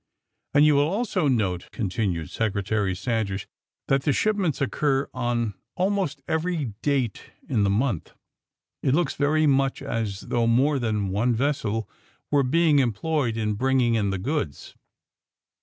'' ^^And you will also note,'^ continued Secre tary Sanders, ^'that the shipments occur on al most every date in the month. It looks very much as though more than one vessel were being employed in bringing in the goods.''